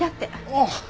ああ。